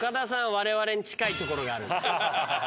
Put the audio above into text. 我々に近いところがある。